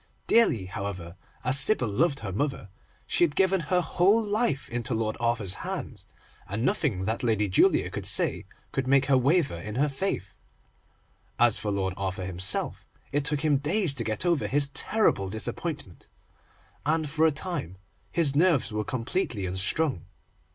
Dearly, however, as Sybil loved her mother, she had given her whole life into Lord Arthur's hands, and nothing that Lady Julia could say could make her waver in her faith. As for Lord Arthur himself, it took him days to get over his terrible disappointment, and for a time his nerves were completely unstrung.